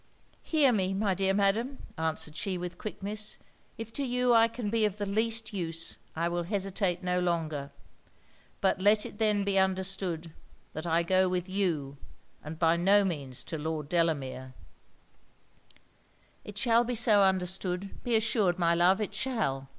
'Hear me, my dear Madam!' answered she with quickness 'If to you I can be of the least use, I will hesitate no longer; but let it then be understood that I go with you, and by no means to Lord Delamere.' 'It shall be so understood be assured, my love, it shall!